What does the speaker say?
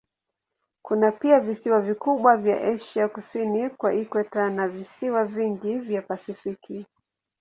Kuna pia visiwa vikubwa vya Asia kusini kwa ikweta na visiwa vingi vya Pasifiki.